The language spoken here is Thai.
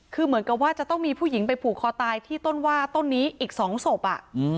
คือเหมือนกับว่าจะต้องมีผู้หญิงไปผูกคอตายที่ต้นว่าต้นนี้อีก๒ศพ